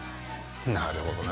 なるほどな。